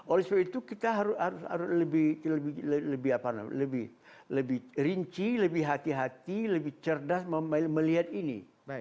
oleh sebab itu kita harus lebih rinci lebih hati hati lebih cerdas melihat ini